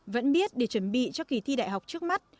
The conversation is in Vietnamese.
vẫn biết để chuẩn bị cho kỳ thi đại học trước mắt